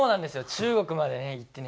中国まで行ってね